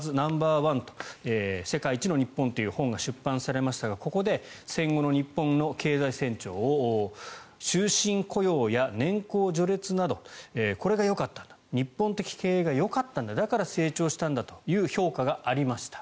１９７９年に「ジャパン・アズ・ナンバーワン」世界一の日本という本が出版されましたがここで戦後の日本の経済成長を終身雇用や年功序列などこれがよかったんだ日本的経営がよかったんだだから成長したんだという評価がありました。